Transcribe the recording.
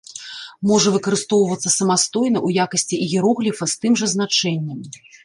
Можа выкарыстоўвацца самастойна ў якасці іерогліфа з тым жа значэннем.